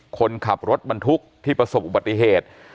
คนขับรถบรรทุกที่ประสบอุบัติเหตุ